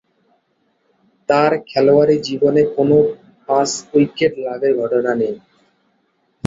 তার খেলোয়াড়ী জীবনে কোন পাঁচ-উইকেট লাভের ঘটনা নেই।